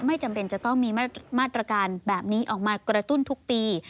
ไม่จำเป็นจะต้องมีมาตรการแบบนี้ออกมากระตุ้นทุกปี